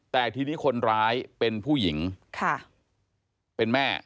แต่ทีนี้คนร้ายเป็นผู้หญิงเป็นแม่